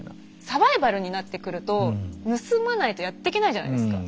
サバイバルになってくると盗まないとやってけないじゃないですか。